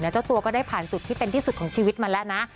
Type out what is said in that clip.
เจ้าตัวก็ได้ผ่านจุดที่เป็นที่สุดของชีวิตมาแล้วนะ